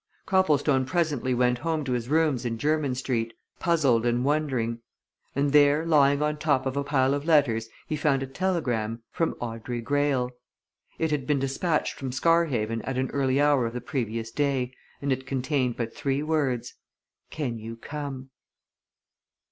Copplestone presently went home to his rooms in Jermyn Street, puzzled and wondering; And there, lying on top of a pile of letters, he found a telegram from Audrey Greyle. It had been dispatched from Scarhaven at an early hour of the previous day, and it contained but three words _Can you come?